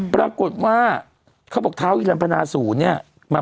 ปรากฏว่าเขาบอกเท้าฮิรันพนาศูนย์เนี่ย